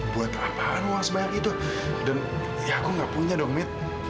buat apaan uang sebanyak itu dan aku gak punya dong mit